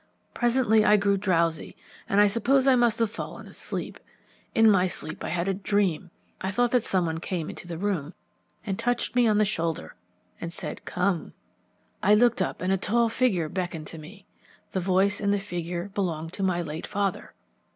Presently I grew drowsy, and I suppose I must have fallen asleep. In my sleep I had a dream; I thought that some one came into the room, touched me on the shoulder, and said 'Come.' I looked up; a tall figure beckoned to me. The voice and the figure belonged to my late father.